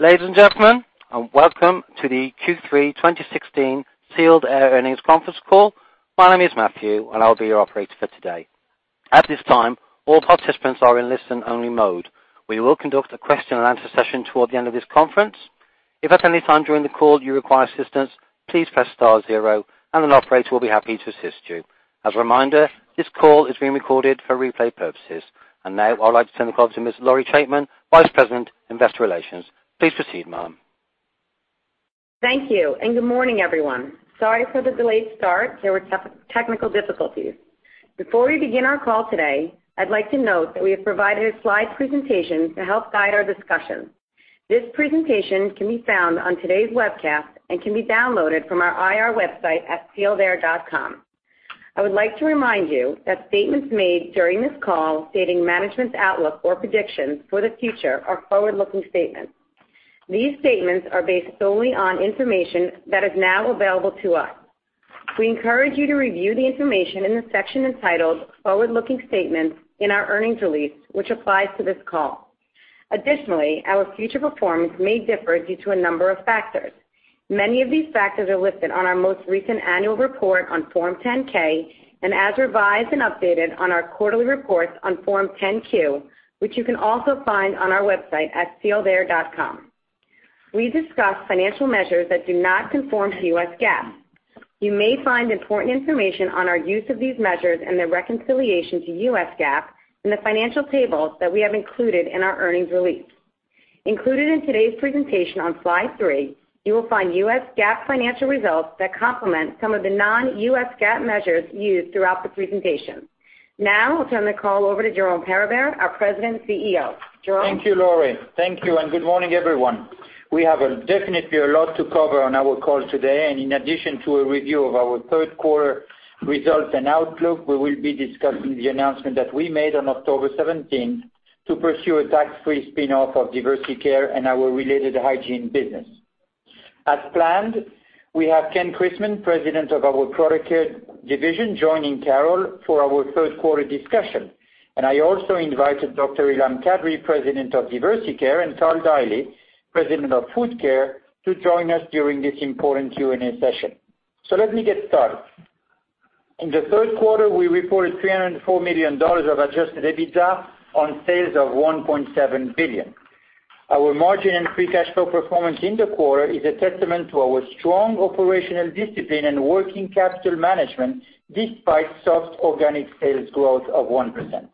Ladies and gentlemen, welcome to the Q3 2016 Sealed Air Earnings Conference Call. My name is Matthew, and I'll be your operator for today. At this time, all participants are in listen-only mode. We will conduct a question-and-answer session toward the end of this conference. If at any time during the call you require assistance, please press star zero, and an operator will be happy to assist you. As a reminder, this call is being recorded for replay purposes. Now, I'd like to turn the call to Ms. Lori Chaitman, Vice President, Investor Relations. Please proceed, ma'am. Thank you, good morning, everyone. Sorry for the delayed start. There were technical difficulties. Before we begin our call today, I'd like to note that we have provided a slide presentation to help guide our discussion. This presentation can be found on today's webcast and can be downloaded from our IR website at sealedair.com. I would like to remind you that statements made during this call stating management's outlook or predictions for the future are forward-looking statements. These statements are based solely on information that is now available to us. We encourage you to review the information in the section entitled Forward-Looking Statements in our earnings release, which applies to this call. Additionally, our future performance may differ due to a number of factors. Many of these factors are listed on our most recent annual report on Form 10-K and as revised and updated on our quarterly reports on Form 10-Q, which you can also find on our website at sealedair.com. We discuss financial measures that do not conform to US GAAP. You may find important information on our use of these measures and their reconciliation to US GAAP in the financial tables that we have included in our earnings release. Included in today's presentation on slide three, you will find US GAAP financial results that complement some of the non-US GAAP measures used throughout the presentation. Now, I'll turn the call over to Jerome Peribere, our President and CEO. Jerome? Thank you, Lori. Thank you, good morning, everyone. We have definitely a lot to cover on our call today. In addition to a review of our third quarter results and outlook, we will be discussing the announcement that we made on October 17th to pursue a tax-free spinoff of Diversey Care and our related hygiene business. As planned, we have Ken Chrisman, President of our Product Care division, joining Carol for our third quarter discussion. I also invited Dr. Ilham Kadri, President of Diversey Care, and Karl Deily, President of Food Care, to join us during this important Q&A session. Let me get started. In the third quarter, we reported $304 million of adjusted EBITDA on sales of $1.7 billion. Our margin and free cash flow performance in the quarter is a testament to our strong operational discipline and working capital management, despite soft organic sales growth of 1%.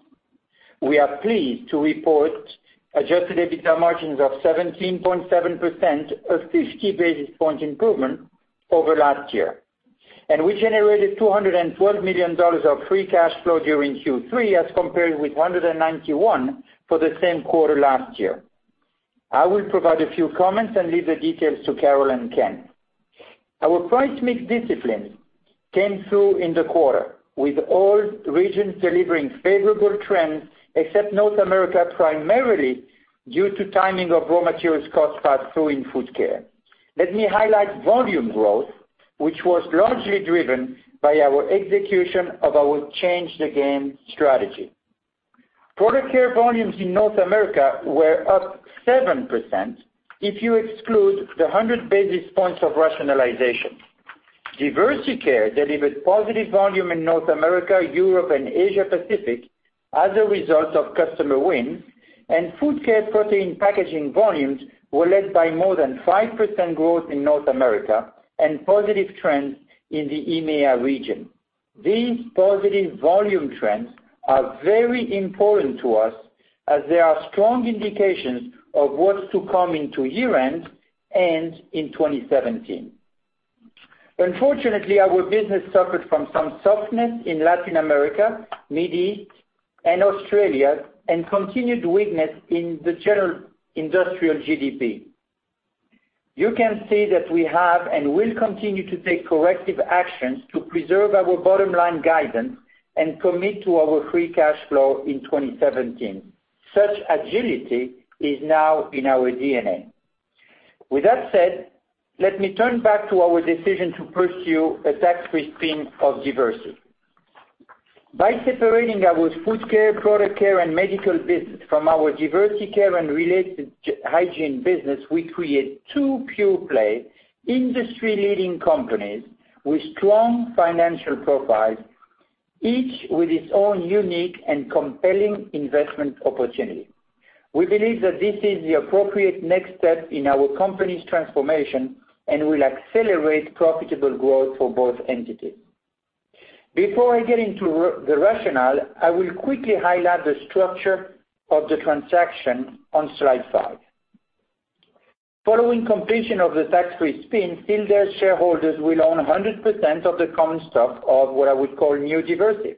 We are pleased to report adjusted EBITDA margins of 17.7%, a 50-basis-point improvement over last year. We generated $212 million of free cash flow during Q3 as compared with $191 million for the same quarter last year. I will provide a few comments and leave the details to Carol and Ken. Our price mix discipline came through in the quarter, with all regions delivering favorable trends except North America, primarily due to timing of raw materials cost pass-through in Food Care. Let me highlight volume growth, which was largely driven by our execution of our Change the Game strategy. Product Care volumes in North America were up 7% if you exclude the 100 basis points of rationalization. Diversey Care delivered positive volume in North America, Europe, and Asia Pacific as a result of customer wins, and Food Care protein packaging volumes were led by more than 5% growth in North America and positive trends in the EMEA region. These positive volume trends are very important to us, as they are strong indications of what's to come into year-end and in 2017. Unfortunately, our business suffered from some softness in Latin America, Mid East, and Australia and continued weakness in the general industrial GDP. You can see that we have and will continue to take corrective actions to preserve our bottom-line guidance and commit to our free cash flow in 2017. Such agility is now in our DNA. With that said, let me turn back to our decision to pursue a tax-free spin of Diversey. By separating our Food Care, Product Care, and Medical business from our Diversey Care and related hygiene business, we create two pure-play, industry-leading companies with strong financial profiles, each with its own unique and compelling investment opportunity. We believe that this is the appropriate next step in our company's transformation and will accelerate profitable growth for both entities. Before I get into the rationale, I will quickly highlight the structure of the transaction on slide five. Following completion of the tax-free spin, Sealed Air shareholders will own 100% of the common stock of what I would call new Diversey.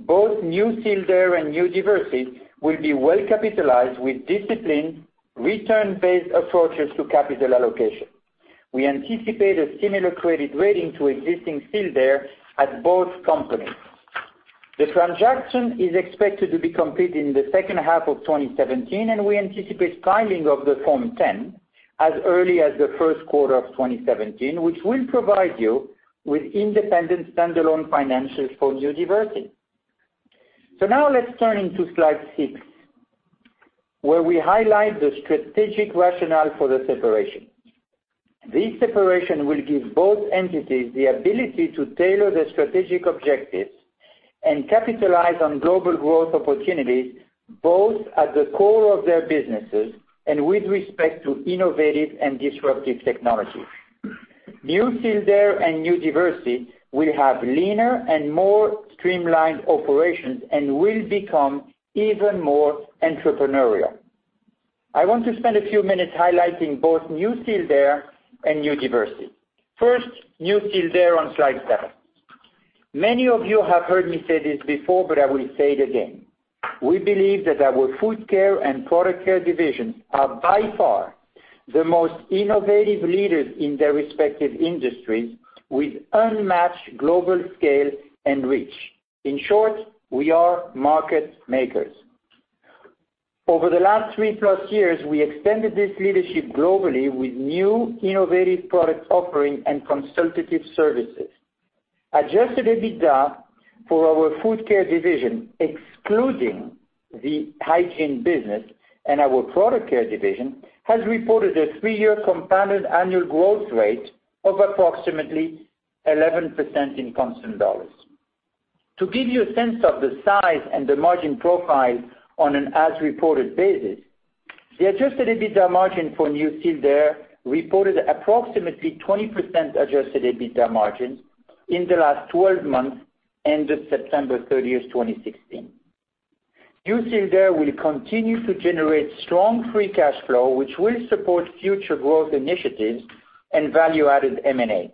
Both new Sealed Air and new Diversey will be well capitalized with disciplined, return-based approaches to capital allocation. We anticipate a similar credit rating to existing Sealed Air at both companies. The transaction is expected to be completed in the second half of 2017. We anticipate filing of the Form 10 as early as the first quarter of 2017, which will provide you with independent standalone financials for new Diversey. Now let's turn into slide six, where we highlight the strategic rationale for the separation. This separation will give both entities the ability to tailor their strategic objectives and capitalize on global growth opportunities, both at the core of their businesses and with respect to innovative and disruptive technologies. New Sealed Air and New Diversey will have leaner and more streamlined operations and will become even more entrepreneurial. I want to spend a few minutes highlighting both New Sealed Air and New Diversey. First, New Sealed Air on slide seven. Many of you have heard me say this before, I will say it again. We believe that our Food Care and Product Care divisions are by far the most innovative leaders in their respective industries, with unmatched global scale and reach. In short, we are market makers. Over the last three-plus years, we extended this leadership globally with new innovative product offerings and consultative services. Adjusted EBITDA for our Food Care division, excluding the hygiene business and our Product Care division, has reported a three-year compounded annual growth rate of approximately 11% in constant dollars. To give you a sense of the size and the margin profile on an as-reported basis, the adjusted EBITDA margin for New Sealed Air reported approximately 20% adjusted EBITDA margins in the last 12 months, ended September 30th, 2016. New Sealed Air will continue to generate strong free cash flow, which will support future growth initiatives and value-added M&A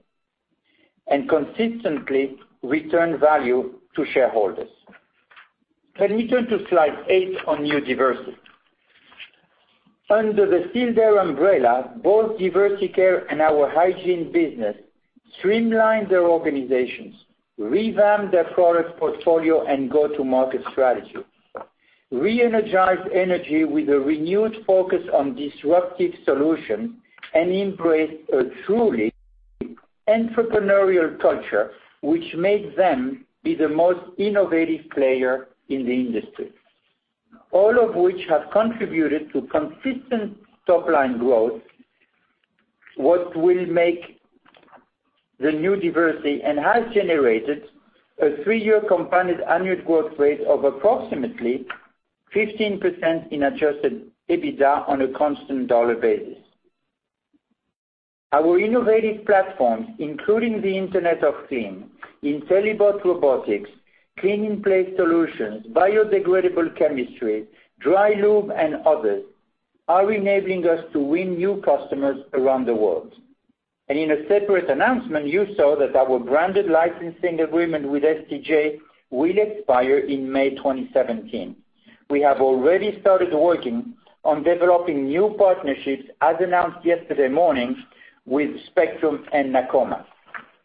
and consistently return value to shareholders. Can we turn to slide eight on New Diversey? Under the Sealed Air umbrella, both Diversey Care and our hygiene business streamlined their organizations, revamped their product portfolio and go-to-market strategy, reenergized energy with a renewed focus on disruptive solutions, and embraced a truly entrepreneurial culture, which made them be the most innovative player in the industry. All of which have contributed to consistent top-line growth, what will make the New Diversey and has generated a three-year compounded annual growth rate of approximately 15% in adjusted EBITDA on a constant dollar basis. Our innovative platforms, including the Internet of Things, Intellibot robotics, clean-in-place solutions, biodegradable chemistry, dry lube, and others, are enabling us to win new customers around the world. In a separate announcement, you saw that our branded licensing agreement with SCJ will expire in May 2017. We have already started working on developing new partnerships, as announced yesterday morning, with Spectrum and Nakoma.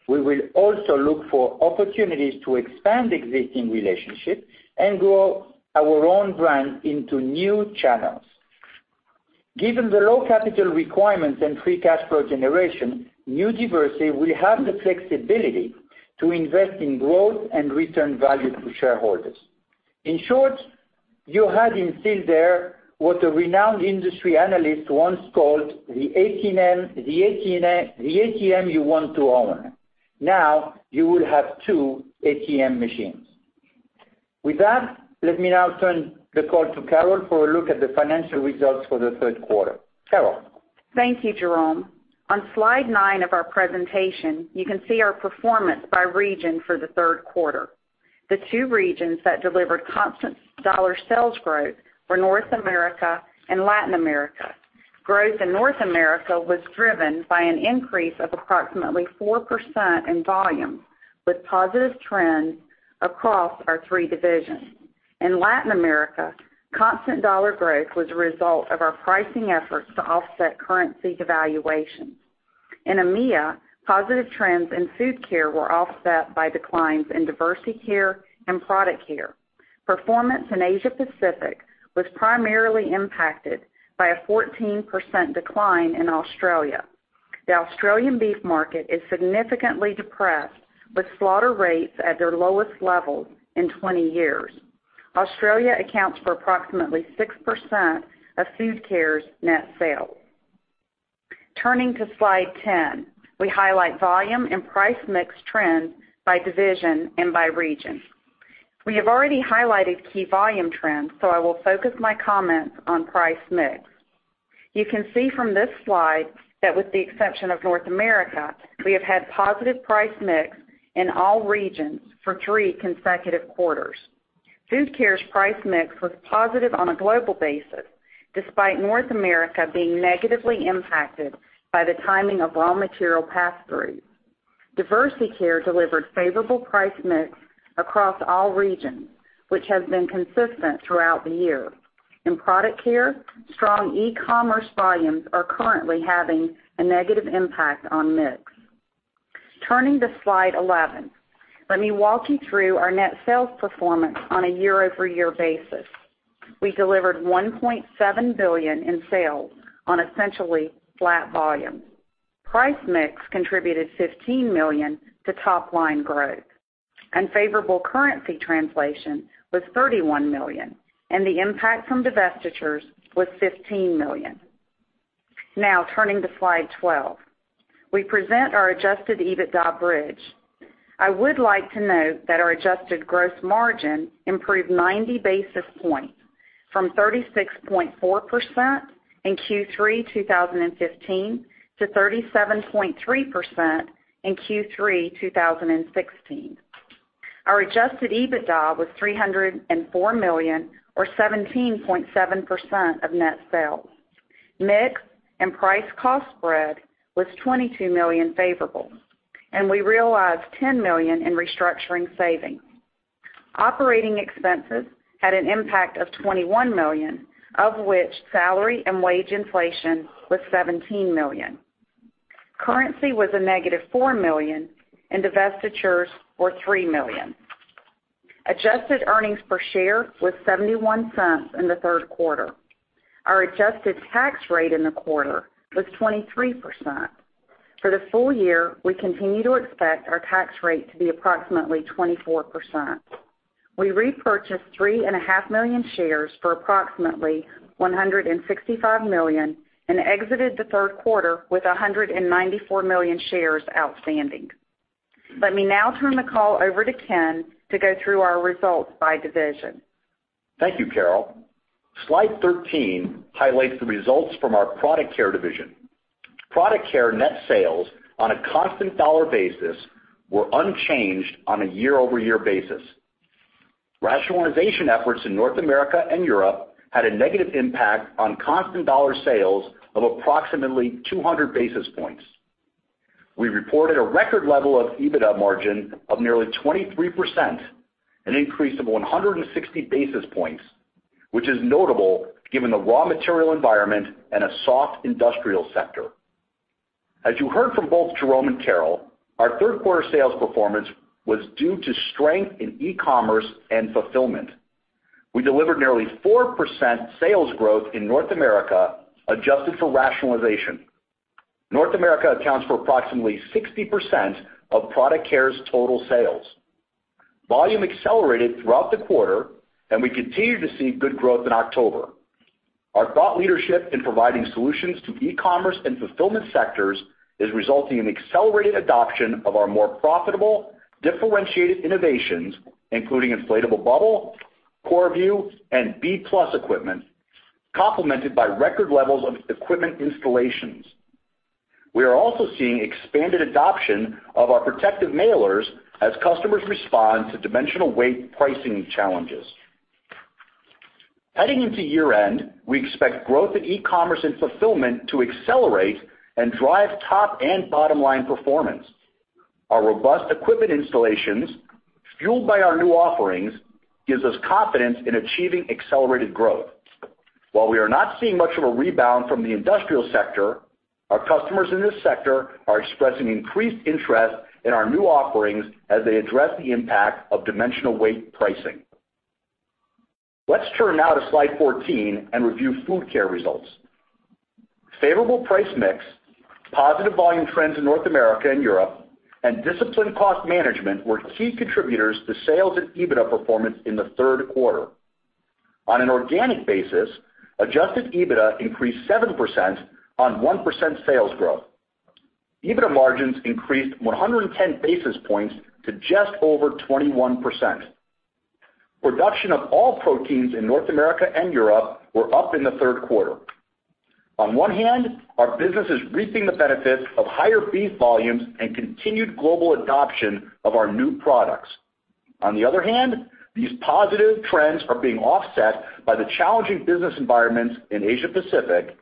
We will also look for opportunities to expand existing relationships and grow our own brand into new channels. Given the low capital requirements and free cash flow generation, New Diversey will have the flexibility to invest in growth and return value to shareholders. In short, you had in Sealed Air what a renowned industry analyst once called the ATM you want to own. Now, you will have two ATM machines. With that, let me now turn the call to Carol for a look at the financial results for the third quarter. Carol? Thank you, Jerome. On slide nine of our presentation, you can see our performance by region for the third quarter. The two regions that delivered constant dollar sales growth were North America and Latin America. Growth in North America was driven by an increase of approximately 4% in volume, with positive trends across our three divisions. In Latin America, constant dollar growth was a result of our pricing efforts to offset currency devaluation. In EMEA, positive trends in Food Care were offset by declines in Diversey Care and Product Care. Performance in Asia Pacific was primarily impacted by a 14% decline in Australia. The Australian beef market is significantly depressed, with slaughter rates at their lowest levels in 20 years. Australia accounts for approximately 6% of Food Care's net sales. Turning to slide 10, we highlight volume and price mix trends by division and by region. We have already highlighted key volume trends. I will focus my comments on price mix. You can see from this slide that with the exception of North America, we have had positive price mix in all regions for three consecutive quarters. Food Care's price mix was positive on a global basis, despite North America being negatively impacted by the timing of raw material pass-throughs. Diversey Care delivered favorable price mix across all regions, which has been consistent throughout the year. In Product Care, strong e-commerce volumes are currently having a negative impact on mix. Turning to slide 11, let me walk you through our net sales performance on a year-over-year basis. We delivered $1.7 billion in sales on essentially flat volume. Price mix contributed $15 million to top-line growth, favorable currency translation was $31 million, the impact from divestitures was $15 million. Turning to slide 12. We present our adjusted EBITDA bridge. I would like to note that our adjusted gross margin improved 90 basis points from 36.4% in Q3 2015 to 37.3% in Q3 2016. Our adjusted EBITDA was $304 million or 17.7% of net sales. Mix and price-cost spread was $22 million favorable, we realized $10 million in restructuring savings. Operating expenses had an impact of $21 million, of which salary and wage inflation was $17 million. Currency was a negative $4 million, divestitures were $3 million. Adjusted earnings per share was $0.71 in the third quarter. Our adjusted tax rate in the quarter was 23%. For the full year, we continue to expect our tax rate to be approximately 24%. We repurchased three and a half million shares for approximately $165 million and exited the third quarter with 194 million shares outstanding. Let me now turn the call over to Ken to go through our results by division. Thank you, Carol. Slide 13 highlights the results from our Product Care division. Product Care net sales on a constant dollar basis were unchanged on a year-over-year basis. Rationalization efforts in North America and Europe had a negative impact on constant dollar sales of approximately 200 basis points. We reported a record level of EBITDA margin of nearly 23%, an increase of 160 basis points, which is notable given the raw material environment and a soft industrial sector. As you heard from both Jerome and Carol, our third quarter sales performance was due to strength in e-commerce and fulfillment. We delivered nearly 4% sales growth in North America, adjusted for rationalization. North America accounts for approximately 60% of Product Care's total sales. Volume accelerated throughout the quarter, we continue to see good growth in October. Our thought leadership in providing solutions to e-commerce and fulfillment sectors is resulting in accelerated adoption of our more profitable, differentiated innovations, including inflatable bubble, Korrvu and B+ equipment, complemented by record levels of equipment installations. We are also seeing expanded adoption of our protective mailers as customers respond to dimensional weight pricing challenges. Heading into year-end, we expect growth in e-commerce and fulfillment to accelerate and drive top and bottom-line performance. Our robust equipment installations, fueled by our new offerings, gives us confidence in achieving accelerated growth. While we are not seeing much of a rebound from the industrial sector, our customers in this sector are expressing increased interest in our new offerings as they address the impact of dimensional weight pricing. Let's turn now to slide 14 and review Food Care results. Favorable price mix, positive volume trends in North America and Europe, and disciplined cost management were key contributors to sales and EBITDA performance in the third quarter. On an organic basis, adjusted EBITDA increased 7% on 1% sales growth. EBITDA margins increased 110 basis points to just over 21%. Production of all proteins in North America and Europe were up in the third quarter. On one hand, our business is reaping the benefits of higher beef volumes and continued global adoption of our new products. On the other hand, these positive trends are being offset by the challenging business environments in Asia Pacific,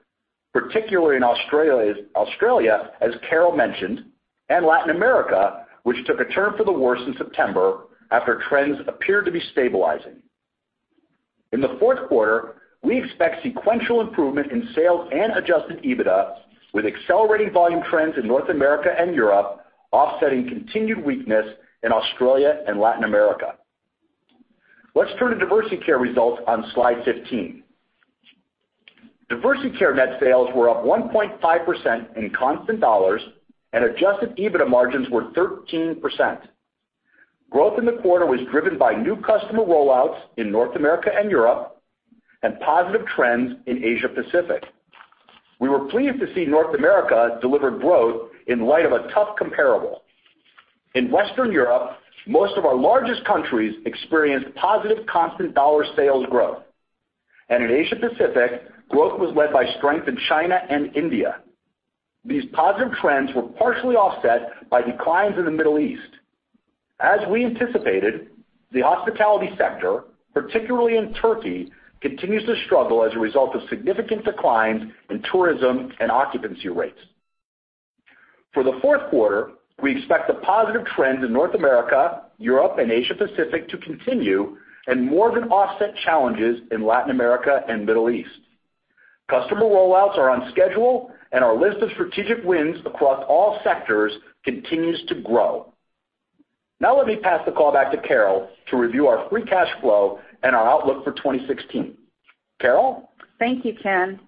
particularly in Australia, as Carol mentioned, and Latin America, which took a turn for the worse in September after trends appeared to be stabilizing. In the fourth quarter, we expect sequential improvement in sales and adjusted EBITDA with accelerating volume trends in North America and Europe offsetting continued weakness in Australia and Latin America. Let's turn to Diversey Care results on slide 15. Diversey Care net sales were up 1.5% in constant dollars and adjusted EBITDA margins were 13%. Growth in the quarter was driven by new customer rollouts in North America and Europe and positive trends in Asia Pacific. We were pleased to see North America deliver growth in light of a tough comparable. In Western Europe, most of our largest countries experienced positive constant dollar sales growth. In Asia Pacific, growth was led by strength in China and India. These positive trends were partially offset by declines in the Middle East. As we anticipated, the hospitality sector, particularly in Turkey, continues to struggle as a result of significant declines in tourism and occupancy rates. For the fourth quarter, we expect the positive trends in North America, Europe and Asia Pacific to continue and more than offset challenges in Latin America and Middle East. Customer rollouts are on schedule and our list of strategic wins across all sectors continues to grow Now let me pass the call back to Carol to review our free cash flow and our outlook for 2016. Carol? Thank you, Ken.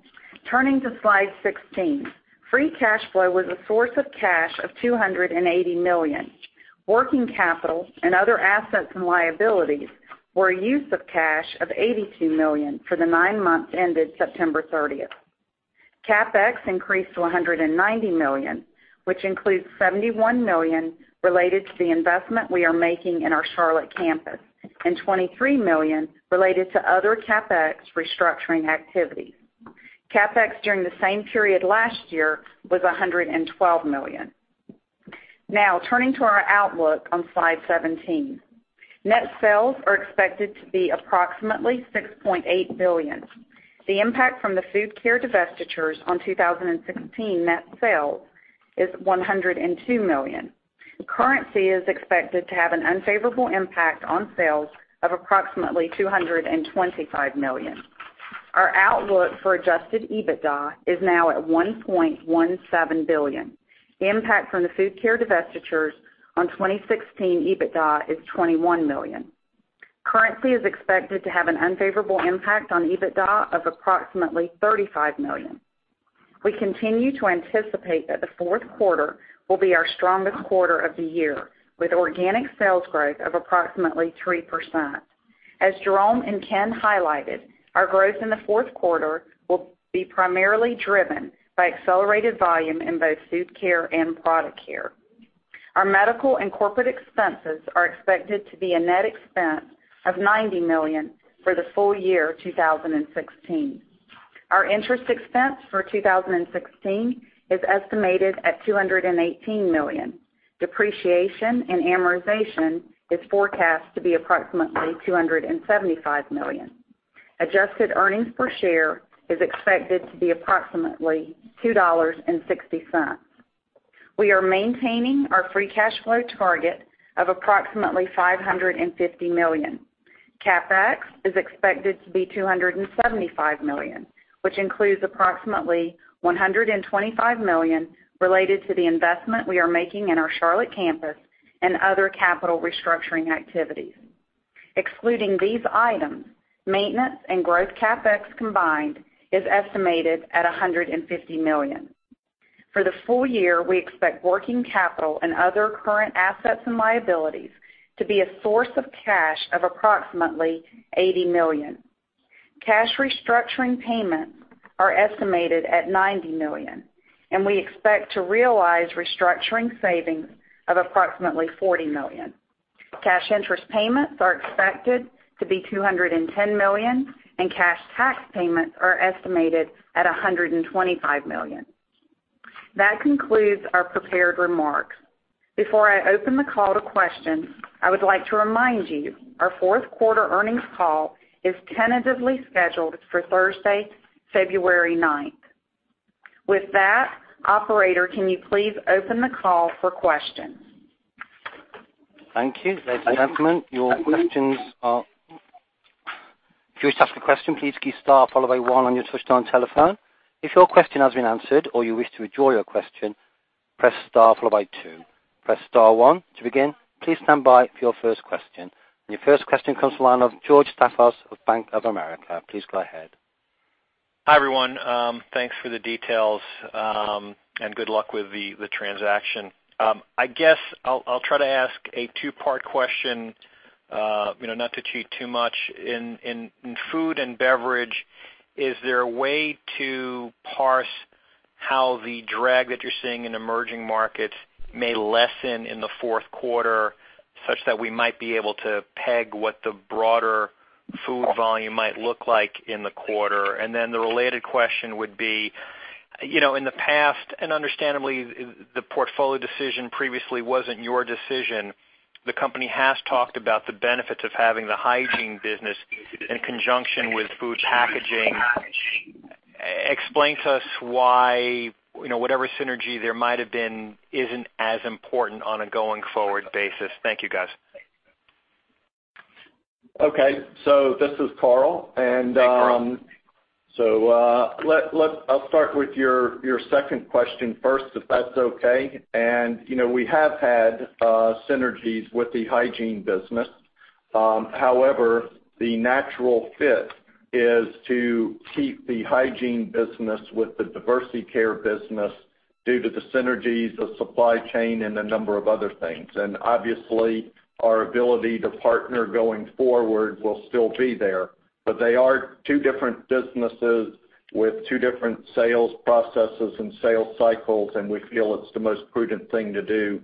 Turning to slide 16. Free cash flow was a source of cash of $280 million. Working capital and other assets and liabilities were a use of cash of $82 million for the nine months ended September 30th. CapEx increased to $190 million, which includes $71 million related to the investment we are making in our Charlotte campus and $23 million related to other CapEx restructuring activities. CapEx during the same period last year was $112 million. Turning to our outlook on Slide 17. Net sales are expected to be approximately $6.8 billion. The impact from the Food Care divestitures on 2016 net sales is $102 million. Currency is expected to have an unfavorable impact on sales of approximately $225 million. Our outlook for adjusted EBITDA is now at $1.17 billion. The impact from the Food Care divestitures on 2016 EBITDA is $21 million. Currency is expected to have an unfavorable impact on EBITDA of approximately $35 million. We continue to anticipate that the fourth quarter will be our strongest quarter of the year, with organic sales growth of approximately 3%. As Jerome and Ken highlighted, our growth in the fourth quarter will be primarily driven by accelerated volume in both Food Care and Product Care. Our medical and corporate expenses are expected to be a net expense of $90 million for the full year 2016. Our interest expense for 2016 is estimated at $218 million. Depreciation and amortization is forecast to be approximately $275 million. Adjusted earnings per share is expected to be approximately $2.60. We are maintaining our free cash flow target of approximately $550 million. CapEx is expected to be $275 million, which includes approximately $125 million related to the investment we are making in our Charlotte campus and other capital restructuring activities. Excluding these items, maintenance and growth CapEx combined is estimated at $150 million. For the full year, we expect working capital and other current assets and liabilities to be a source of cash of approximately $80 million. Cash restructuring payments are estimated at $90 million, and we expect to realize restructuring savings of approximately $40 million. Cash interest payments are expected to be $210 million, and cash tax payments are estimated at $125 million. That concludes our prepared remarks. Before I open the call to questions, I would like to remind you, our fourth quarter earnings call is tentatively scheduled for Thursday, February 9th. With that, operator, can you please open the call for questions? Thank you. Ladies and gentlemen, if you wish to ask a question, please key star followed by one on your touchtone telephone. If your question has been answered or you wish to withdraw your question, press star followed by two. Press star one to begin. Please stand by for your first question. Your first question comes from the line of George Staphos of Bank of America. Please go ahead. Hi, everyone. Thanks for the details, and good luck with the transaction. I guess I'll try to ask a two-part question, not to cheat too much. In Food and Beverage, is there a way to parse how the drag that you're seeing in emerging markets may lessen in the fourth quarter such that we might be able to peg what the broader food volume might look like in the quarter? The related question would be, in the past, and understandably, the portfolio decision previously wasn't your decision. The company has talked about the benefits of having the Hygiene business in conjunction with Food Packaging. Explain to us why whatever synergy there might have been isn't as important on a going-forward basis. Thank you, guys. Okay. This is Karl. Thanks, Karl. I'll start with your second question first, if that's okay. We have had synergies with the Hygiene business. However, the natural fit is to keep the Hygiene business with the Diversey Care business due to the synergies of supply chain and a number of other things. Obviously, our ability to partner going forward will still be there. They are two different businesses with two different sales processes and sales cycles, and we feel it's the most prudent thing to do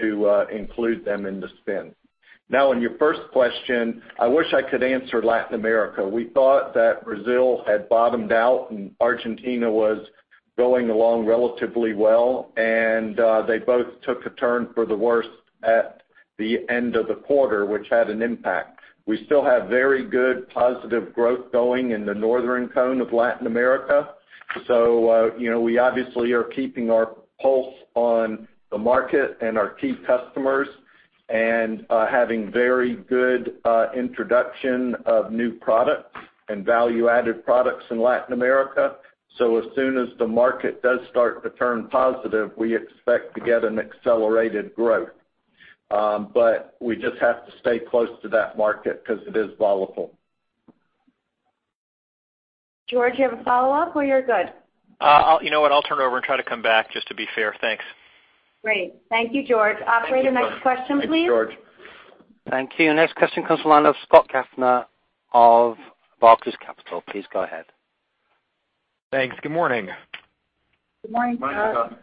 to include them in the spin. On your first question, I wish I could answer Latin America. We thought that Brazil had bottomed out and Argentina was going along relatively well, and they both took a turn for the worst at the end of the quarter, which had an impact. We still have very good positive growth going in the northern cone of Latin America. We obviously are keeping our pulse on the market and our key customers and are having very good introduction of new products and value-added products in Latin America. As soon as the market does start to turn positive, we expect to get an accelerated growth. We just have to stay close to that market because it is volatile. George, you have a follow-up or you're good? You know what, I'll turn it over and try to come back just to be fair. Thanks. Great. Thank you, George. Operator, next question, please. Thank you. Next question comes from the line of Scott Gaffner of Barclays Capital. Please go ahead. Thanks. Good morning. Good morning, Scott.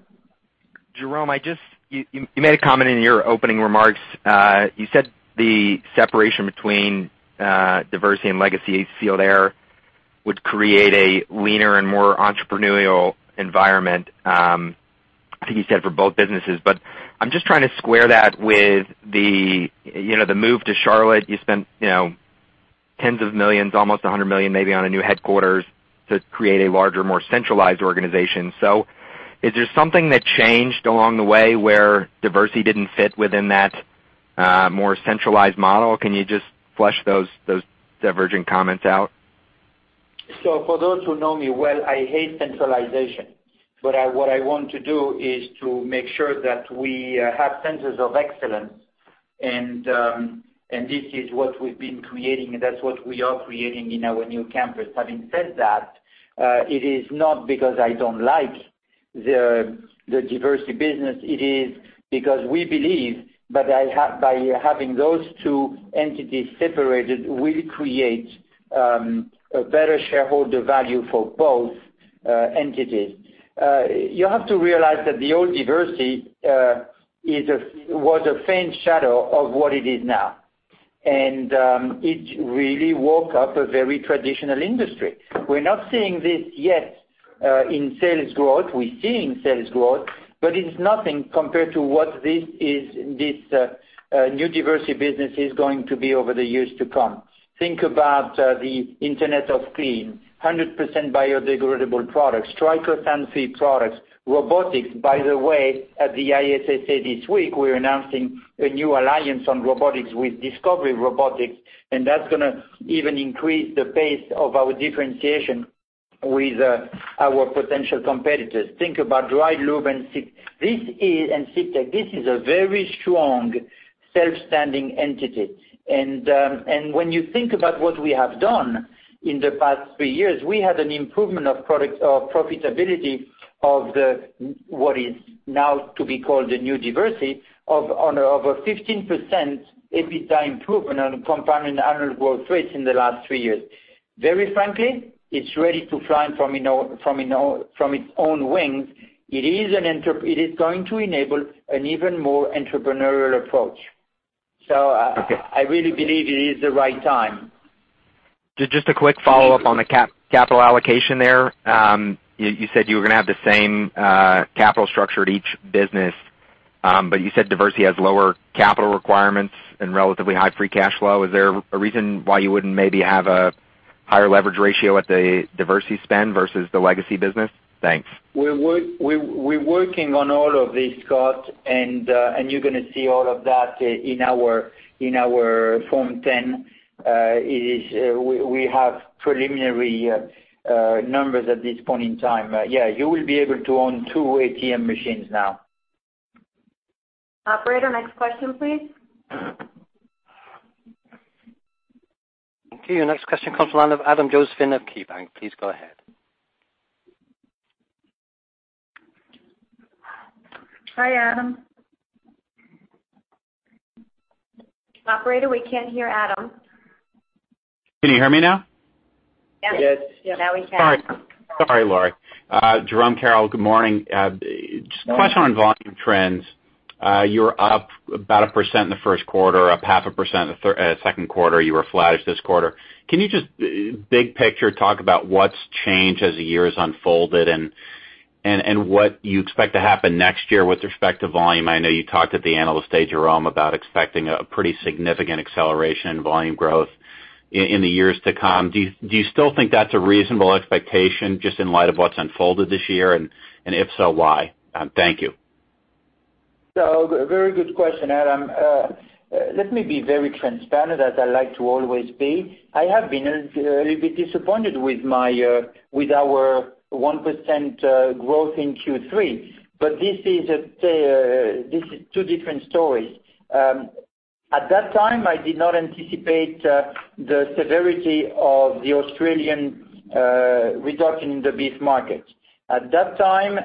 Jerome, you made a comment in your opening remarks. You said the separation between Diversey and legacy Sealed Air would create a leaner and more entrepreneurial environment. I think you said for both businesses, but I'm just trying to square that with the move to Charlotte. You spent tens of millions, almost $100 million maybe, on a new headquarters to create a larger, more centralized organization. Is there something that changed along the way where Diversey didn't fit within that more centralized model? Can you just flesh those diverging comments out? For those who know me well, I hate centralization. What I want to do is to make sure that we have centers of excellence, and this is what we've been creating, and that's what we are creating in our new campus. Having said that, it is not because I don't like the Diversey business, it is because we believe that by having those two entities separated, we create a better shareholder value for both entities. You have to realize that the old Diversey was a faint shadow of what it is now, and it really woke up a very traditional industry. We're not seeing this yet in sales growth. We're seeing sales growth, but it's nothing compared to what this New Diversey business is going to be over the years to come. Think about the Internet of Clean, 100% biodegradable products, triclosan-free products, robotics. By the way, at the ISSA this week, we're announcing a new alliance on robotics with Discovery Robotics, and that's going to even increase the pace of our differentiation with our potential competitors. Think about DryLube and Sitec. This is a very strong, self-standing entity. When you think about what we have done in the past three years, we had an improvement of profitability of what is now to be called the New Diversey over 15% EBITDA improvement on a compounded annual growth rates in the last three years. Very frankly, it's ready to fly from its own wings. It is going to enable an even more entrepreneurial approach. Okay. I really believe it is the right time. Just a quick follow-up on the capital allocation there. You said you were going to have the same capital structure at each business. You said Diversey has lower capital requirements and relatively high free cash flow. Is there a reason why you wouldn't maybe have a higher leverage ratio at the Diversey spend versus the legacy business? Thanks. We're working on all of this, Scott, you're going to see all of that in our Form 10. We have preliminary numbers at this point in time. Yeah, you will be able to own two ATM machines now. Operator, next question, please. Okay. Next question comes from the line of Adam Josephson of KeyBanc. Please go ahead. Hi, Adam. Operator, we can't hear Adam. Can you hear me now? Yes. Now we can. Sorry, Lori. Jerome, Carol, good morning. Just a question on volume trends. You were up about 1% in the 1st quarter, up 0.5% 2nd quarter. You were flat this quarter. Can you just big picture talk about what's changed as the year has unfolded and what you expect to happen next year with respect to volume? I know you talked at the Analyst Day, Jerome, about expecting a pretty significant acceleration in volume growth in the years to come. Do you still think that's a reasonable expectation just in light of what's unfolded this year? If so, why? Thank you. Very good question, Adam Josephson. Let me be very transparent, as I like to always be. I have been a little bit disappointed with our 1% growth in Q3. This is 2 different stories. At that time, I did not anticipate the severity of the Australian reduction in the beef market. At that time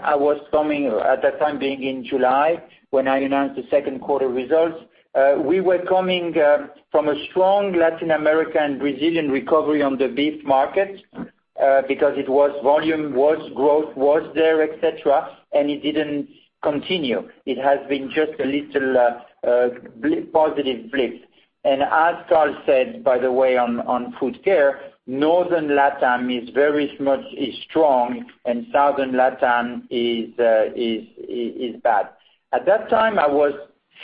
being in July, when I announced the second quarter results, we were coming from a strong Latin America and Brazilian recovery on the beef market because volume, growth was there, et cetera, and it didn't continue. It has been just a little positive blip. As Karl said, by the way, on Food Care, Northern LATAM is very much strong, and Southern LATAM is bad. At that time, I was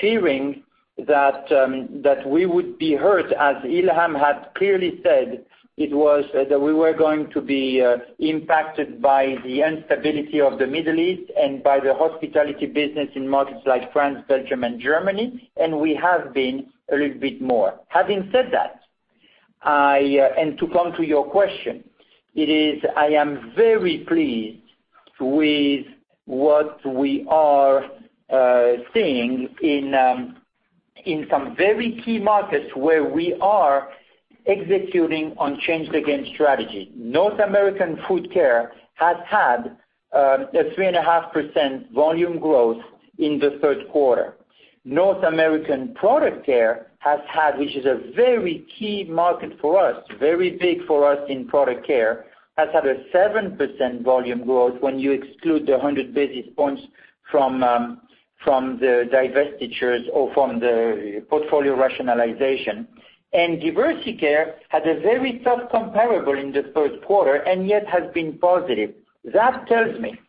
fearing that we would be hurt. As Ilham had clearly said, that we were going to be impacted by the instability of the Middle East and by the hospitality business in markets like France, Belgium, and Germany, and we have been a little bit more. Having said that, to come to your question, I am very pleased with what we are seeing in some very key markets where we are executing on Change to Win strategy. North American Food Care has had a 3.5% volume growth in the third quarter. North American Product Care, which is a very key market for us, very big for us in product care, has had a 7% volume growth when you exclude the 100 basis points from the divestitures or from the portfolio rationalization. Diversey Care had a very tough comparable in the third quarter and yet has been positive. That tells me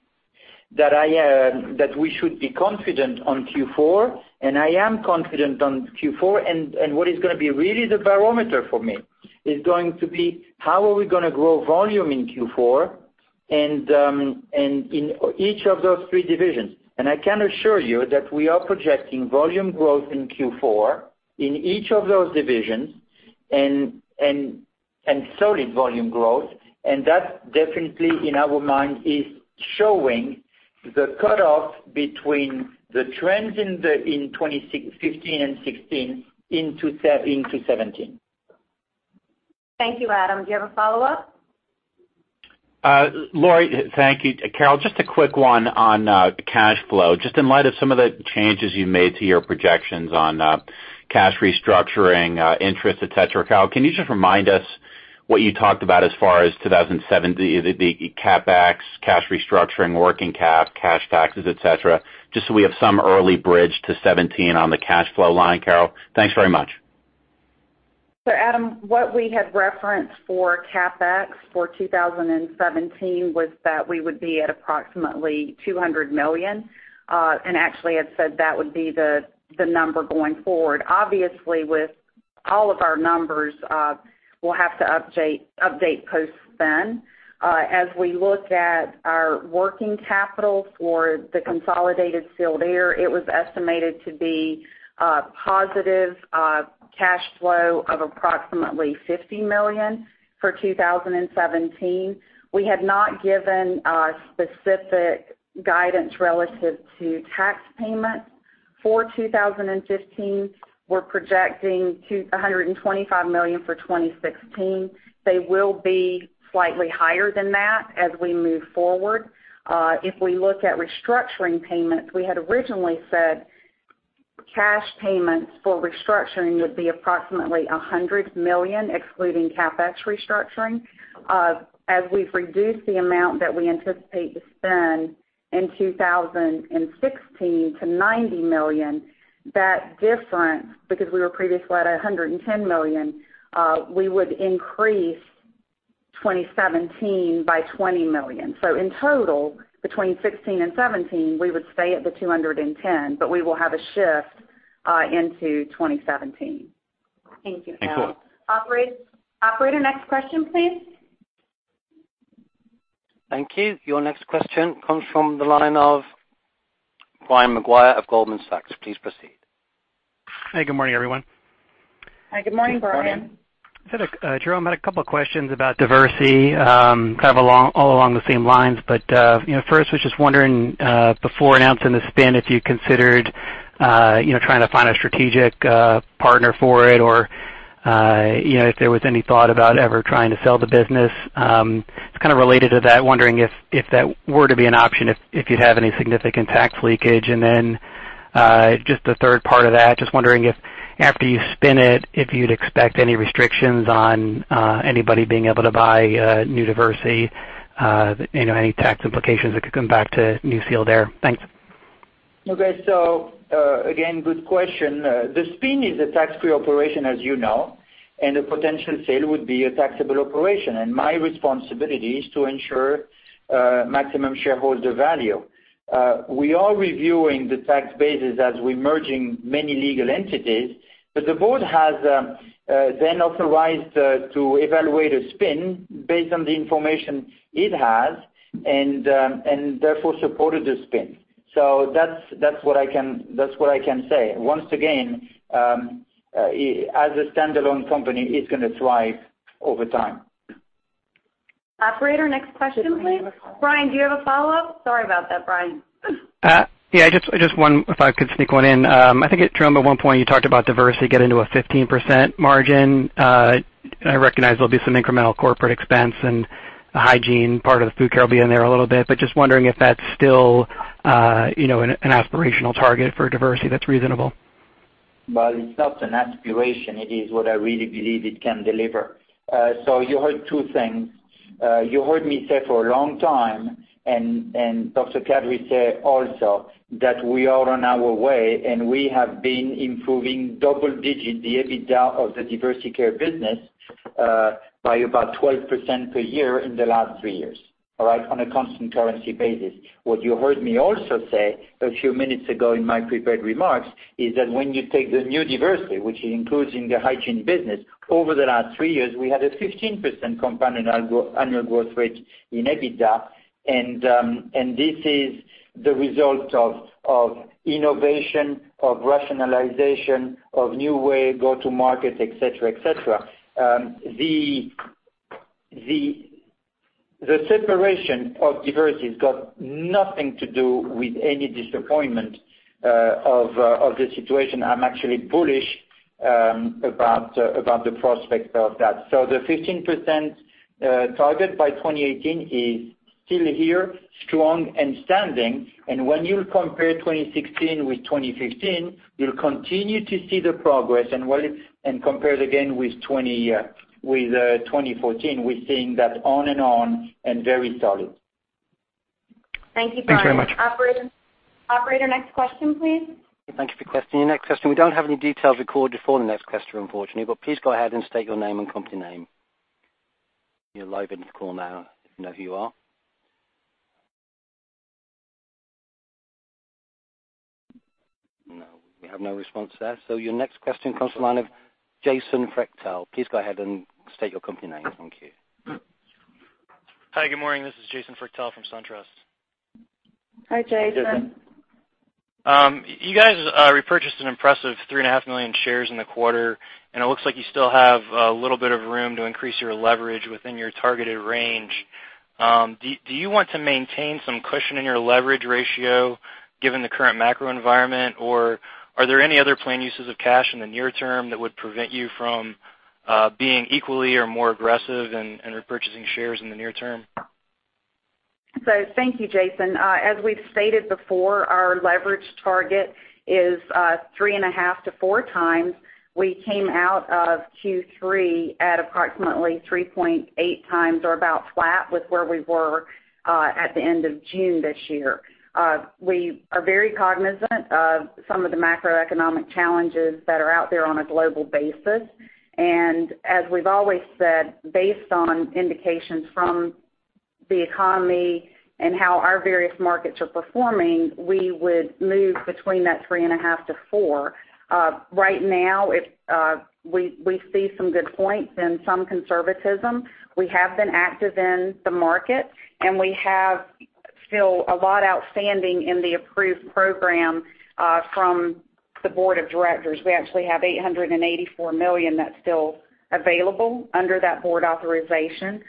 that we should be confident on Q4, and I am confident on Q4. What is going to be really the barometer for me is going to be how are we going to grow volume in Q4 and in each of those 3 divisions. I can assure you that we are projecting volume growth in Q4 in each of those divisions, and solid volume growth. That definitely, in our mind, is showing the cutoff between the trends in 2015 and 2016 into 2017. Thank you. Adam Josephson, do you have a follow-up? Lori, thank you. Carol, just a quick one on cash flow. Just in light of some of the changes you made to your projections on cash restructuring, interest, et cetera. Carol, can you just remind us what you talked about as far as 2017, the CapEx, cash restructuring, working cash, taxes, et cetera, just so we have some early bridge to 2017 on the cash flow line, Carol? Thanks very much. Adam, what we had referenced for CapEx for 2017 was that we would be at approximately $200 million. Actually had said that would be the number going forward. Obviously, with all of our numbers, we'll have to update post-spin. As we look at our working capital for the consolidated Sealed Air, it was estimated to be a positive cash flow of approximately $50 million for 2017. We had not given specific guidance relative to tax payments for 2015. We're projecting $125 million for 2016. They will be slightly higher than that as we move forward. If we look at restructuring payments, we had originally said cash payments for restructuring would be approximately $100 million, excluding CapEx restructuring. As we've reduced the amount that we anticipate to spend in 2016 to $90 million, that difference, because we were previously at $110 million, we would increase 2017 by $20 million. In total, between 2016 and 2017, we would stay at the $210 million, we will have a shift into 2017. Thank you, Carol. Thanks. Operator, next question, please. Thank you. Your next question comes from the line of Brian Maguire of Goldman Sachs. Please proceed. Hi, good morning, everyone. Hi, good morning, Brian. Good morning. Jerome, I had a couple questions about Diversey, kind of all along the same lines. First, was just wondering, before announcing the spin, if you considered trying to find a strategic partner for it or if there was any thought about ever trying to sell the business. Kind of related to that, wondering if that were to be an option, if you'd have any significant tax leakage. Then, just the third part of that, just wondering if after you spin it, if you'd expect any restrictions on anybody being able to buy New Diversey, any tax implications that could come back to New Sealed Air. Thanks. Okay. Again, good question. The spin is a tax-free operation, as you know, a potential sale would be a taxable operation, my responsibility is to ensure maximum shareholder value. We are reviewing the tax basis as we're merging many legal entities, the board has then authorized to evaluate a spin based on the information it has, therefore supported the spin. That's what I can say. Once again, as a standalone company, it's going to thrive over time. Operator, next question, please. Brian, do you have a follow-up? Sorry about that, Brian. just one, if I could sneak one in. I think, Jerome, at one point, you talked about Diversey getting to a 15% margin. I recognize there'll be some incremental corporate expense, and the hygiene part of the Food Care will be in there a little bit. Just wondering if that's still an aspirational target for Diversey that's reasonable. Well, it's not an aspiration. It is what I really believe it can deliver. You heard two things. You heard me say for a long time, and Dr. Kadri say also, that we are on our way, and we have been improving double-digit, the EBITDA of the Diversey Care business, by about 12% per year in the last three years, all right, on a constant currency basis. What you heard me also say a few minutes ago in my prepared remarks, is that when you take the New Diversey, which includes the hygiene business, over the last three years, we had a 15% compound annual growth rate in EBITDA. This is the result of innovation, of rationalization, of new way go to market, et cetera. The separation of Diversey has got nothing to do with any disappointment of the situation. I'm actually bullish about the prospect of that. The 15% target by 2018 is still here, strong and standing. When you compare 2016 with 2015, you'll continue to see the progress. Compare it again with 2014, we're seeing that on and on, and very solid. Thank you, Jerome. Thanks very much. Operator, next question, please. Thank you for your question. Your next question. We don't have any detailed record for the next question, unfortunately. Please go ahead and state your name and company name. You're live in the call now. We know who you are. No, we have no response there. Your next question comes from the line of Jason Freuchtel. Please go ahead and state your company name. Thank you. Hi, good morning. This is Jason Freuchtel from SunTrust. Hi, Jason. You guys repurchased an impressive three and a half million shares in the quarter, and it looks like you still have a little bit of room to increase your leverage within your targeted range. Do you want to maintain some cushion in your leverage ratio given the current macro environment, or are there any other planned uses of cash in the near term that would prevent you from being equally or more aggressive in repurchasing shares in the near term? Thank you, Jason. As we've stated before, our leverage target is three and a half to four times. We came out of Q3 at approximately 3.8 times or about flat with where we were at the end of June this year. We are very cognizant of some of the macroeconomic challenges that are out there on a global basis. As we've always said, based on indications from the economy and how our various markets are performing, we would move between that three and a half to four. Right now, we see some good points and some conservatism. We have been active in the market, and we have still a lot outstanding in the approved program from the board of directors. We actually have $884 million that's still available under that board authorization.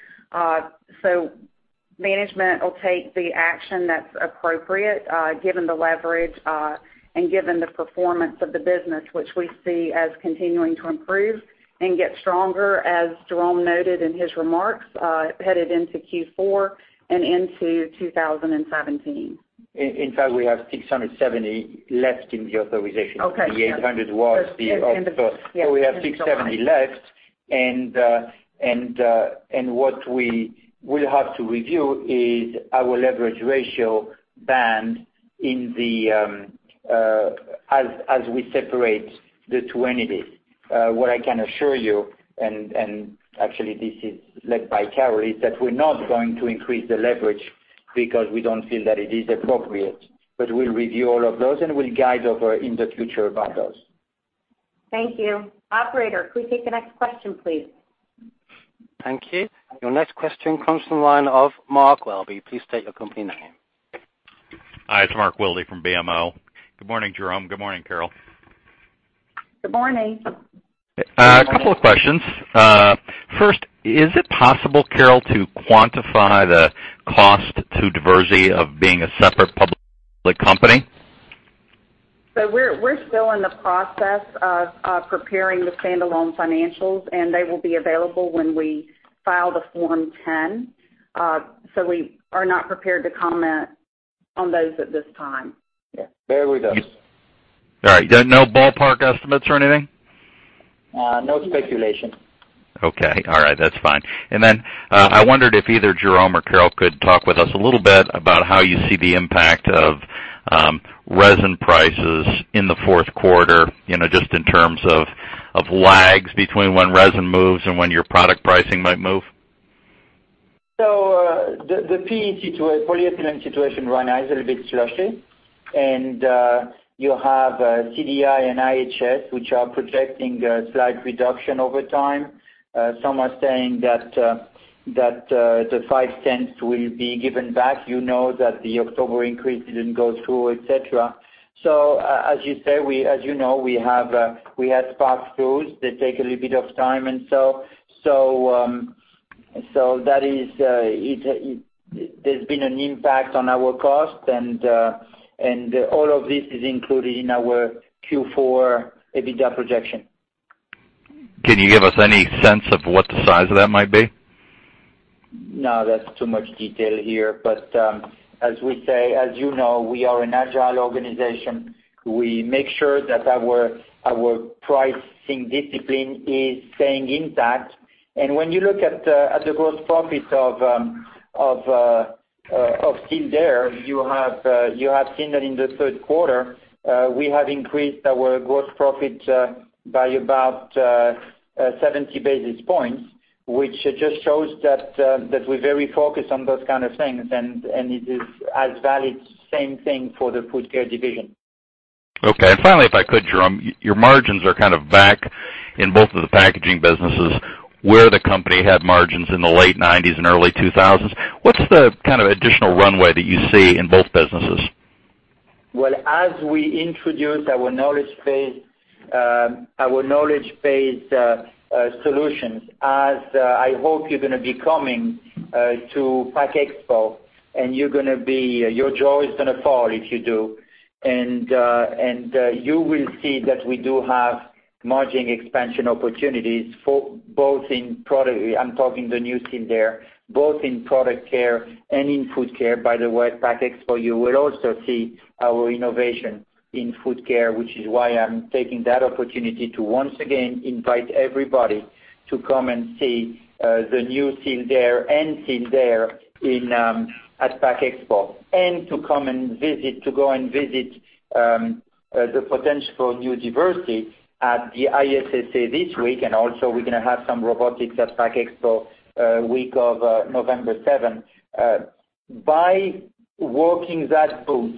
Management will take the action that's appropriate given the leverage and given the performance of the business, which we see as continuing to improve and get stronger, as Jerome noted in his remarks headed into Q4 and into 2017. In fact, we have $670 left in the authorization. Okay. Yeah. The $800 was the- End of the yeah. We have $670 left. What we will have to review is our leverage ratio band as we separate the two entities. What I can assure you, and actually this is led by Carol, is that we're not going to increase the leverage because we don't feel that it is appropriate. We'll review all of those, and we'll guide over in the future about those. Thank you. Operator, could we take the next question, please? Thank you. Your next question comes from the line of Mark Wilde. Please state your company name. Hi, it's Mark Wilde from BMO. Good morning, Jerome. Good morning, Carol. Good morning. A couple of questions. First, is it possible, Carol, to quantify the cost to Diversey of being a separate public company? We're still in the process of preparing the standalone financials, and they will be available when we file the Form 10. We are not prepared to comment on those at this time. Yeah. Very well. All right. No ballpark estimates or anything? No speculation. Okay. All right. That's fine. I wondered if either Jerome Peribere or Carol could talk with us a little bit about how you see the impact of resin prices in the fourth quarter, just in terms of lags between when resin moves and when your product pricing might move. The PE situation, polyethylene situation right now is a little bit slushy. You have CDI and IHS, which are projecting a slight reduction over time. Some are saying that the $0.05 will be given back. You know that the October increase didn't go through, et cetera. As you know, we had spot tools that take a little bit of time. There's been an impact on our cost, and all of this is included in our Q4 EBITDA projection. Can you give us any sense of what the size of that might be? No, that's too much detail here. As we say, as you know, we are an agile organization. We make sure that our pricing discipline is staying intact. When you look at the gross profit of Sealed Air, you have seen that in the third quarter we have increased our gross profit by about 70 basis points, which just shows that we're very focused on those kind of things. It is as valid, same thing for the Food Care division. Okay. Finally, if I could, Jerome, your margins are kind of back in both of the packaging businesses where the company had margins in the late '90s and early 2000s. What's the kind of additional runway that you see in both businesses? Well, as we introduce our knowledge-based solutions, as I hope you're going to be coming to Pack Expo, your jaw is going to fall if you do. You will see that we do have margin expansion opportunities for both in product, I'm talking the new team there, both in Product Care and in Food Care. By the way, at Pack Expo, you will also see our innovation in Food Care, which is why I'm taking that opportunity to once again invite everybody to come and see the New Sealed Air and team there at Pack Expo. To go and visit the potential New Diversey at the ISSA this week, also we're going to have some robotics at Pack Expo week of November 7th. By working that booth,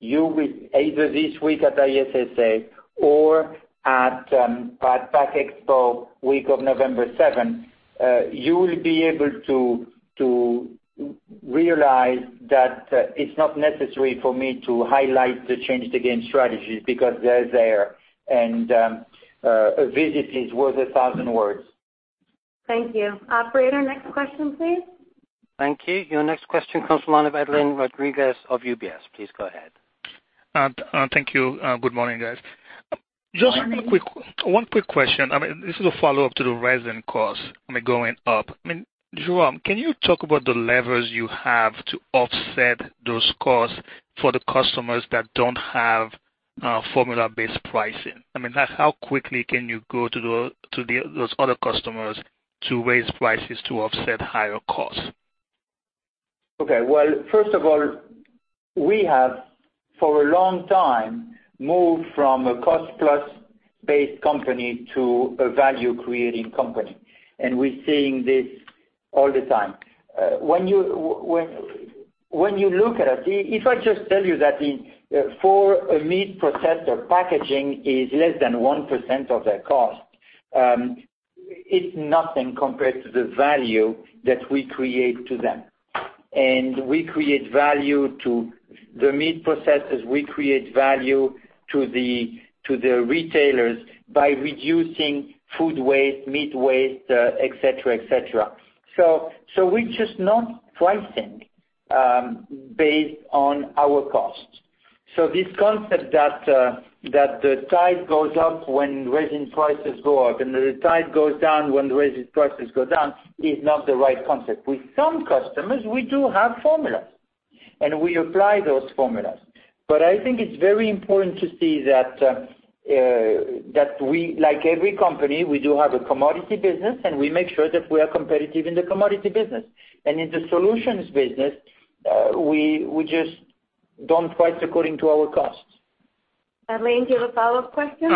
either this week at ISSA or at Pack Expo week of November 7th, you will be able to realize that it's not necessary for me to highlight the Change the Game strategy because they're there. A visit is worth a thousand words. Thank you. Operator, next question, please. Thank you. Your next question comes from the line of Edlain Rodriguez of UBS. Please go ahead. Thank you. Good morning, guys. Morning. Just one quick question. This is a follow-up to the resin cost going up. Jerome, can you talk about the levers you have to offset those costs for the customers that don't have formula-based pricing? How quickly can you go to those other customers to raise prices to offset higher costs? Okay. Well, first of all, we have, for a long time, moved from a cost-plus-based company to a value-creating company. We're seeing this all the time. If I just tell you that for a meat processor, packaging is less than 1% of their cost, it's nothing compared to the value that we create to them. We create value to the meat processors, we create value to the retailers by reducing food waste, meat waste, et cetera. We're just not pricing based on our costs. This concept that the tide goes up when resin prices go up, and the tide goes down when the resin prices go down, is not the right concept. With some customers, we do have formulas, and we apply those formulas. I think it's very important to see that we, like every company, we do have a commodity business, and we make sure that we are competitive in the commodity business. In the solutions business, we just don't price according to our costs. Edlain, do you have a follow-up question?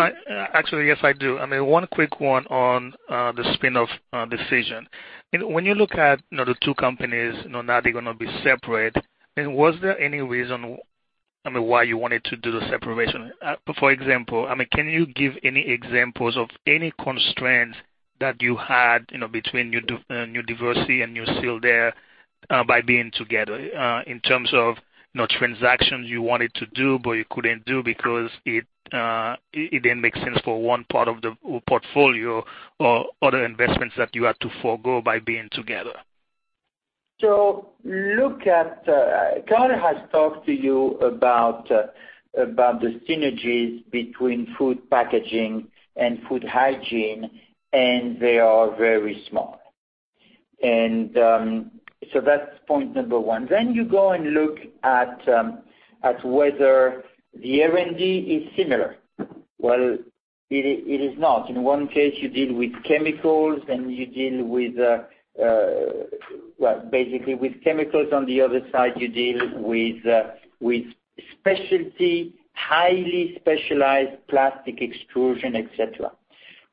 Actually, yes, I do. One quick one on the spin-off decision. When you look at the two companies, now they're going to be separate, was there any reason why you wanted to do the separation? For example, can you give any examples of any constraints that you had between New Diversey and New Sealed Air by being together? In terms of transactions you wanted to do, but you couldn't do because it didn't make sense for one part of the portfolio or other investments that you had to forego by being together. Karl has talked to you about the synergies between food packaging and food hygiene, and they are very small. That's point 1. You go and look at whether the R&D is similar. Well, it is not. In one case, you deal with chemicals, well, basically with chemicals. On the other side, you deal with specialty, highly specialized plastic extrusion, et cetera.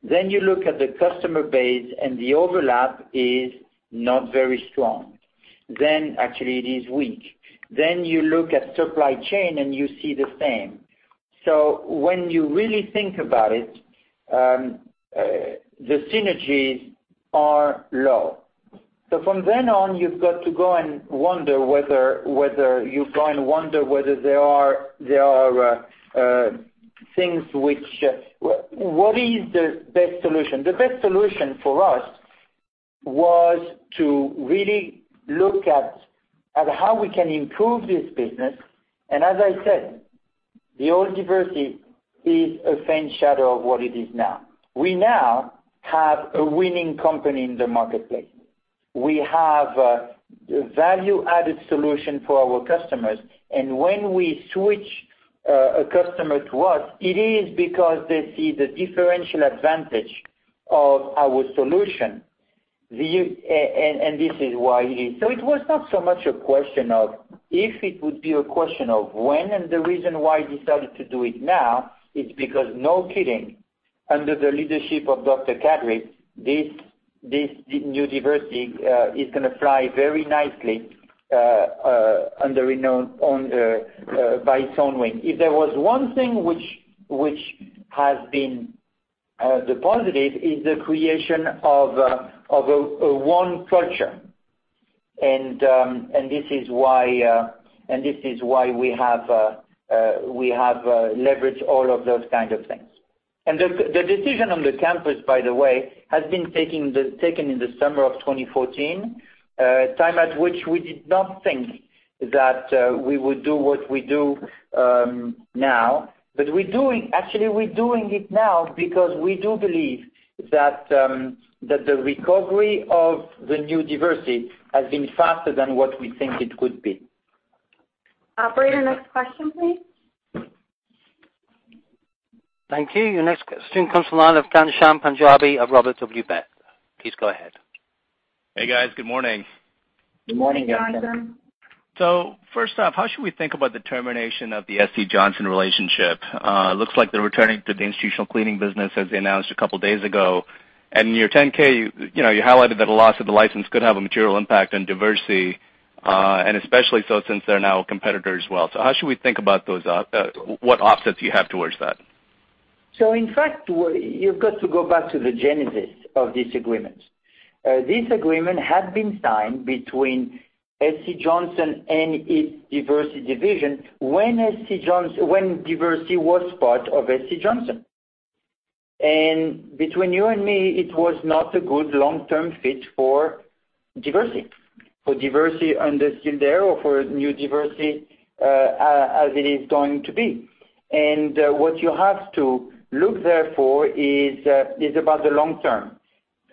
You look at the customer base and the overlap is not very strong. Actually, it is weak. You look at supply chain and you see the same. When you really think about it, the synergies are low. From then on, you've got to go and wonder whether there are things which What is the best solution? The best solution for us was to really look at how we can improve this business. As I said, the old Diversey is a faint shadow of what it is now. We now have a winning company in the marketplace. We have a value-added solution for our customers. When we switch a customer to us, it is because they see the differential advantage of our solution. This is why. It was not so much a question of if, it would be a question of when. The reason why I decided to do it now is because, no kidding, under the leadership of Dr. Kadri, this New Diversey is going to fly very nicely by its own wing. If there was one thing which has been the positive, is the creation of one culture. This is why we have leveraged all of those kinds of things. The decision on the campus, by the way, has been taken in the summer of 2014. A time at which we did not think that we would do what we do now, but actually we're doing it now because we do believe that the recovery of the New Diversey has been faster than what we think it could be. Operator, next question please. Thank you. Your next question comes from the line of Ghansham Panjabi of Robert W. Baird. Please go ahead. Hey, guys. Good morning. Good morning, Ghansham. First off, how should we think about the termination of the SC Johnson relationship? It looks like they're returning to the institutional cleaning business as they announced a couple of days ago. In your 10-K, you highlighted that a loss of the license could have a material impact on Diversey, and especially so since they're now a competitor as well. How should we think about what offsets you have towards that? In fact, you've got to go back to the genesis of this agreement. This agreement had been signed between SC Johnson and its Diversey division when Diversey was part of SC Johnson. Between you and me, it was not a good long-term fit for Diversey. For Diversey under Sealed Air or for New Diversey, as it is going to be. What you have to look there for is about the long term.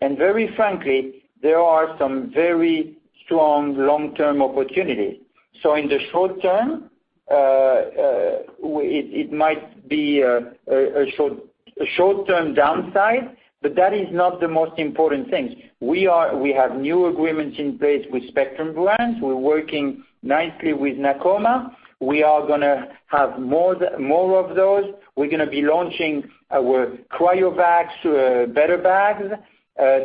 Very frankly, there are some very strong long-term opportunities. In the short term, it might be a short-term downside, but that is not the most important thing. We have new agreements in place with Spectrum Brands. We're working nicely with Nakoma. We are going to have more of those. We're going to be launching our Cryovacs, Better Bags.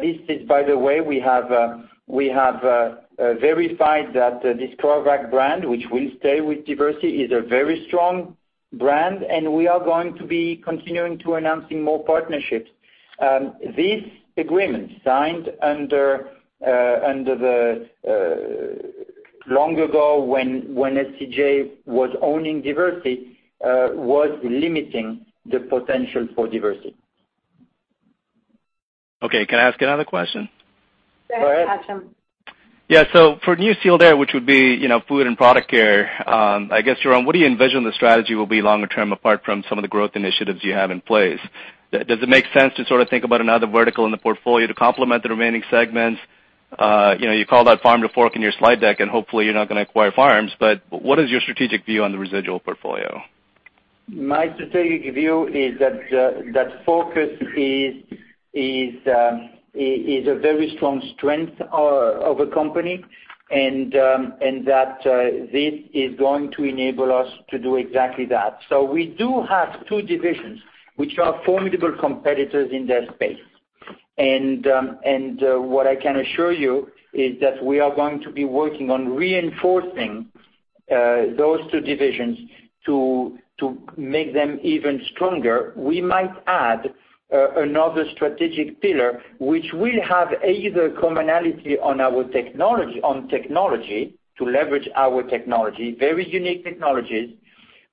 This is, by the way, we have verified that this Cryovac brand, which will stay with Diversey, is a very strong brand, and we are going to be continuing to announcing more partnerships. This agreement signed under the long ago when SCJ was owning Diversey, was limiting the potential for Diversey. Okay. Can I ask another question? Go ahead, Ghansham. Yeah. For New Sealed Air, which would be Food Care and Product Care, I guess, Jerome, what do you envision the strategy will be longer term, apart from some of the growth initiatives you have in place? Does it make sense to sort of think about another vertical in the portfolio to complement the remaining segments? You called out farm to fork in your slide deck. Hopefully, you're not going to acquire farms, but what is your strategic view on the residual portfolio? My strategic view is that focus is a very strong strength of a company. That this is going to enable us to do exactly that. We do have two divisions which are formidable competitors in their space. What I can assure you is that we are going to be working on reinforcing those two divisions to make them even stronger. We might add another strategic pillar, which will have either commonality on our technology, on technology to leverage our technology, very unique technologies,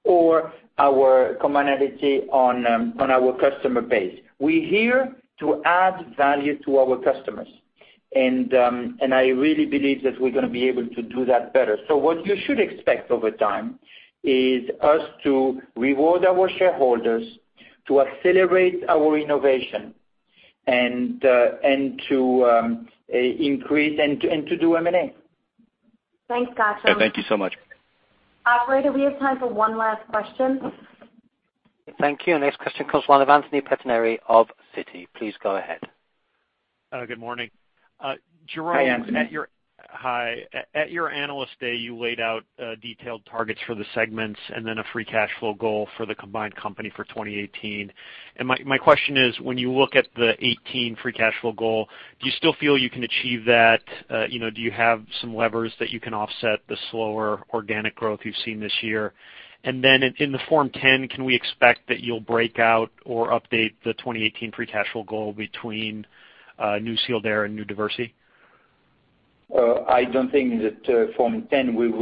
or our commonality on our customer base. We're here to add value to our customers. I really believe that we're going to be able to do that better. What you should expect over time is us to reward our shareholders, to accelerate our innovation, and to increase, and to do M&A. Thanks, Ghansham. Thank you so much. Operator, we have time for one last question. Thank you. Next question comes one of Anthony Pettinari of Citi. Please go ahead. Good morning. Hi, Anthony. Jerome, hi. At your Analyst Day, you laid out detailed targets for the segments, a free cash flow goal for the combined company for 2018. My question is, when you look at the 2018 free cash flow goal, do you still feel you can achieve that? Do you have some levers that you can offset the slower organic growth you've seen this year? In the Form 10, can we expect that you'll break out or update the 2018 free cash flow goal between New Sealed Air and New Diversey? I don't think that Form 10 will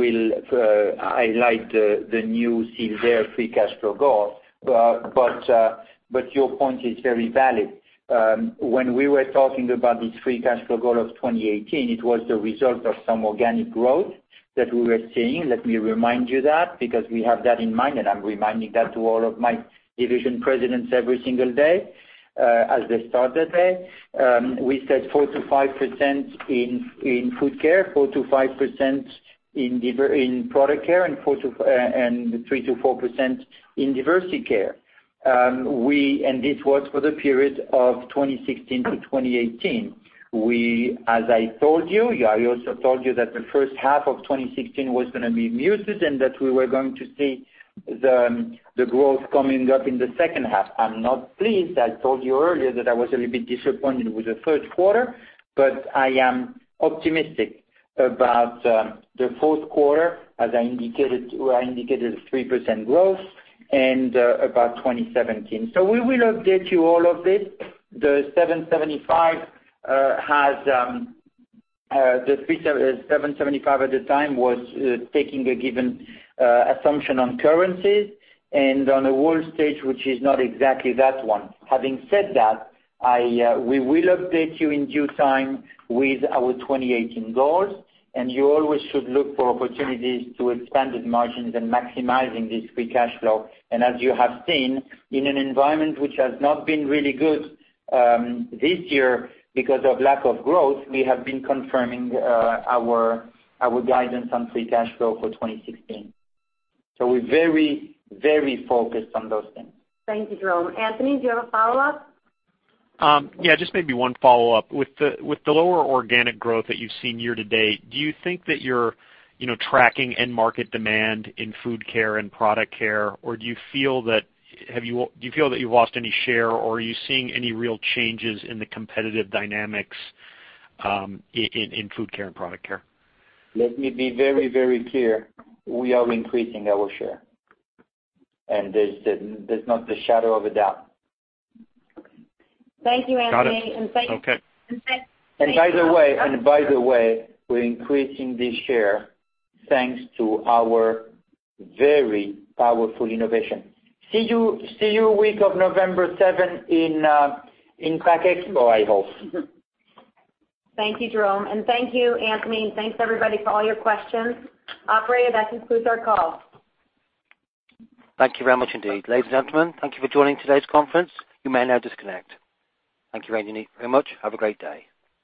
highlight the New Sealed Air free cash flow goal. Your point is very valid. When we were talking about this free cash flow goal of 2018, it was the result of some organic growth that we were seeing. Let me remind you that, because we have that in mind, I'm reminding that to all of my division presidents every single day, as they start their day. We said 4%-5% in Food Care, 4%-5% in Product Care, and 3%-4% in Diversey Care. This was for the period of 2016-2018. As I told you, I also told you that the first half of 2016 was going to be muted and that we were going to see the growth coming up in the second half. I'm not pleased. I told you earlier that I was a little bit disappointed with the third quarter, I am optimistic about the fourth quarter, as I indicated a 3% growth and about 2017. We will update you all of this. The $775 at the time was taking a given assumption on currencies and on a world stage, which is not exactly that one. Having said that, we will update you in due time with our 2018 goals, you always should look for opportunities to expanded margins and maximizing this free cash flow. As you have seen, in an environment which has not been really good this year because of lack of growth, we have been confirming our guidance on free cash flow for 2016. We're very focused on those things. Thank you, Jerome. Anthony, do you have a follow-up? Yeah, just maybe one follow-up. With the lower organic growth that you've seen year to date, do you think that you're tracking end market demand in Food Care and Product Care? Or do you feel that you've lost any share, or are you seeing any real changes in the competitive dynamics in Food Care and Product Care? Let me be very clear. We are increasing our share. There's not the shadow of a doubt. Thank you, Anthony. Got it. Okay. By the way, we're increasing this share thanks to our very powerful innovation. See you week of November seventh in Pack Expo, or I hope. Thank you, Jerome. Thank you, Anthony. Thanks, everybody, for all your questions. Operator, that concludes our call. Thank you very much indeed. Ladies and gentlemen, thank you for joining today's conference. You may now disconnect. Thank you, Anick, very much. Have a great day.